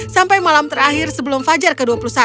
sampai malam terakhir sebelum fajar ke dua puluh satu